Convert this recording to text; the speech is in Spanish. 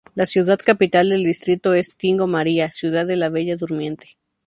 La ciudad capital del distrito es Tingo María, "Ciudad de la Bella Durmiente".